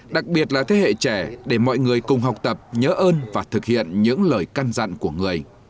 đặc biệt là thế hệ trẻ để mọi người cùng học tập nhớ ơn và thực hiện những lời can dặn của người